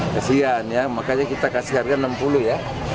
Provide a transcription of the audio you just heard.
kasihan ya makanya kita kasih harga rp enam puluh ya